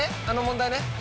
あの問題ね。